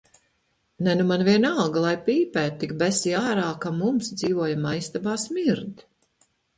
Nē, nu man vienalga, lai pīpē, tik besī ārā, ka mums dzīvojamā istabā smird.